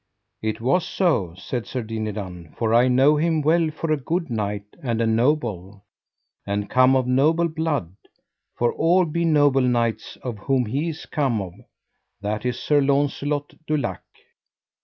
It was so, said Sir Dinadan, for I know him well for a good knight and a noble, and come of noble blood; for all be noble knights of whom he is come of, that is Sir Launcelot du Lake.